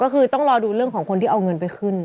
ก็คือต้องรอดูเรื่องของคนที่เอาเงินไปขึ้น